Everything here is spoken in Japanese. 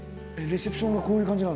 レセプションがこういう感じ